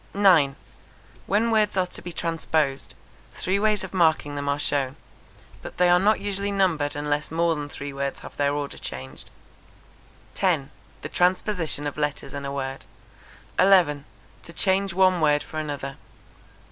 9. When words are to be transposed, three ways of marking them are shown; but they are not usually numbered unless more than three words have their order changed. 10. The transposition of letters in a word. 11. To change one word for another.